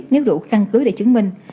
nếu rủ căn cứ để chứng minh